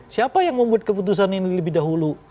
siapa yang membuat keputusan ini lebih dahulu